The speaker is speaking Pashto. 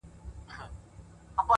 بيا دادی پخلا سوه ؛چي ستا سومه؛